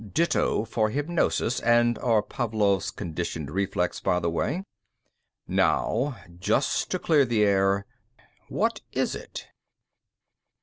Ditto for hypnosis and/or Pavlov's 'conditioned reflex', by the way. "Now, just to clear the air, what is it?"